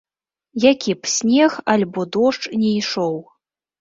Які б снег альбо дождж ні ішоў.